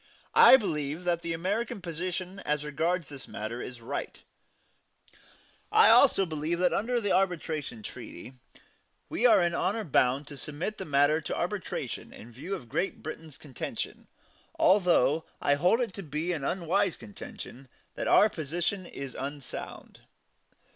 I believe that the American position as regards this matter is right; but I also believe that under the arbitration treaty we are in honor bound to submit the matter to arbitration in view of Great Britain's contention although I hold it to be an unwise contention that our position is unsound.